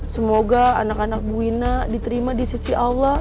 semoga anak anak bu ina diterima di sisi allah